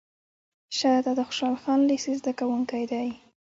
شه دا د خوشحال خان لېسې زده کوونکی دی.